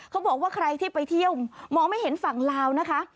เขาบอกว่าใครที่ไปเที่ยวมองไม่เห็นฝั่งลาวนะคะ